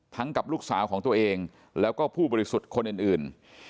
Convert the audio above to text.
กับลูกสาวของตัวเองแล้วก็ผู้บริสุทธิ์คนอื่น